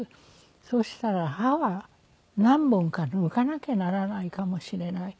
そしたら「歯は何本か抜かなきゃならないかもしれない」。